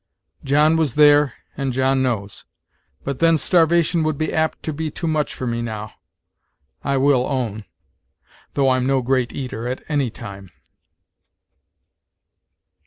John was there, and John knows. But then starvation would be apt to be too much for me now, I will own, though I'm no great eater at any time."